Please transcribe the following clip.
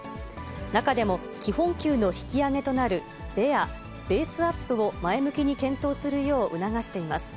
中でも、基本給の引き上げとなるベア・ベースアップを前向きに検討するよう促しています。